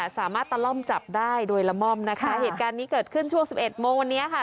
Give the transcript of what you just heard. ตะล่อมจับได้โดยละม่อมนะคะเหตุการณ์นี้เกิดขึ้นช่วงสิบเอ็ดโมงวันนี้ค่ะ